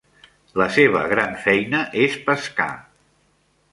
La seva gran feina és pescar.